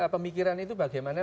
pemikiran itu bagaimana